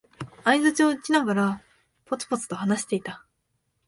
相づちを打ちながら、ぽつぽつと話していた。